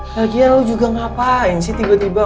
lagian lo juga ngapain sih tiba tiba